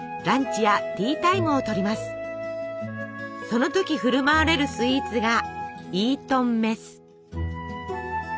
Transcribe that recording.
その時振る舞われるスイーツがイートンメス。